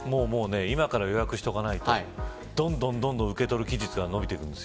今から予約しておかないとどんどん受け取る期日が延びていくんです。